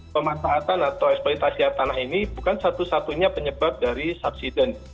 pemanfaatan atau eksploitasi air tanah ini bukan satu satunya penyebab dari subsiden